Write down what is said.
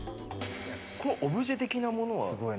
オブジェ的なものは？